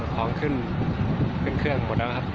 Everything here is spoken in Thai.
ของขึ้นเครื่องหมดแล้วครับ